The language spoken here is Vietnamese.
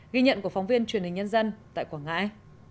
ghi nhận của phóng viên truyền hình nhân dân tại quảng ngãi